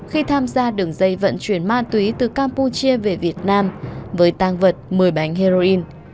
khi tham gia đường dây vận chuyển ma túy từ campuchia về việt nam với tang vật một mươi bánh heroin